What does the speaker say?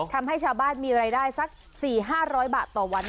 ทำให้ชาวบ้านมีรายได้สัก๔๕๐๐บาทต่อวัน